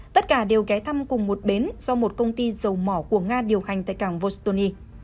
tất cả đều ghé thăm cùng một bến do một công ty dầu mỏ của nga điều hành tại cảng vostony